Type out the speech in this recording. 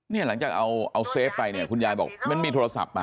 หลังจากเอาเซฟไปเนี่ยคุณยายบอกมันมีโทรศัพท์มา